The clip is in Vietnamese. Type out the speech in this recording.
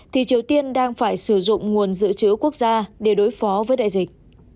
thì triều tiên đang phải sử dụng nguồn dự trữ quốc gia để đối phó với đại dịch